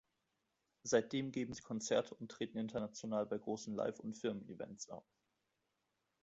Seitdem geben sie Konzerte und treten international bei großen Live- und Firmen-Events auf.